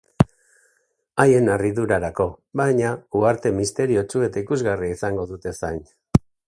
Haien harridurarako, baina, uharte misteriotsu eta ikusgarria izango dute zain.